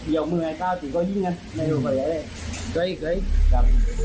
ยังมือไอ้เก้าที่ก็ยิ่งนะเลยก็ยังกลับ